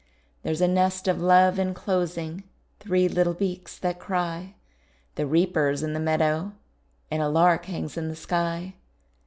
There's a nest of love enclosing Three little beaks that cry; The reapers in the meadow And a lark hangs in the sky.